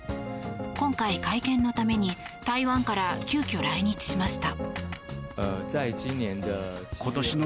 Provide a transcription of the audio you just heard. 今回、会見のために台湾から急きょ来日しました。